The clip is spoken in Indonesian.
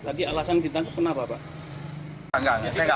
tadi alasan ditangkap kenapa pak